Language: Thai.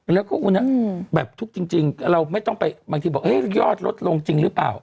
แล้วก็ว่าจริงเราไม่ต้องไปบอกยอดลดลงจริ่งหรือเปล่า